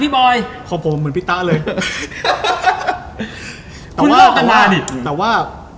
พี่บอยขอผมเหมือนพี่ต้าเลยคุณลอกกันมาดิแต่ว่าแต่ว่า